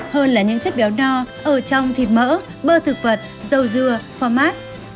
hơn là những chất béo no ở trong thịt mỡ bơ thực vật dầu dừa format